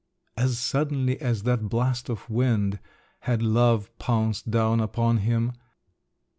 As suddenly as that blast of wind, had love pounced down upon him.